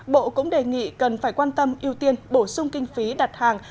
bộ cũng đề nghị cần phải quan tâm ưu tiên bổ sung kinh phí đặt hàng